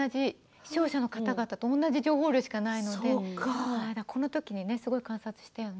視聴者の方たちと同じ情報量しかないのでこのときにすごい観察したよね。